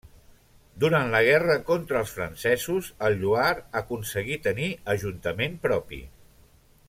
Durant la guerra contra els francesos, el Lloar aconseguí tenir Ajuntament propi.